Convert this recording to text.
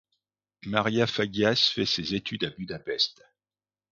Maria Fagyas fait ses études à Budapest.